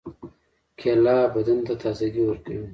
کېله بدن ته تازګي ورکوي.